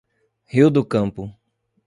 Rio do Campo